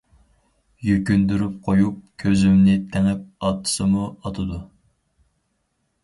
يۈكۈندۈرۈپ قويۇپ، كۆزۈمنى تېڭىپ ئاتسىمۇ ئاتىدۇ.